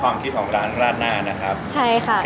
น่าราชน่ารบิลมาก